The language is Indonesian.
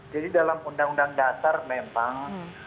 jadi dalam undang undang dasar memang